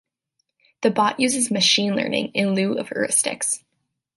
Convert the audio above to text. The bot uses machine learning in lieu of heuristics.